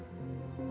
aku mau makan